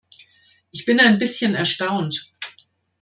Ich bin ein bisschen erstaunt.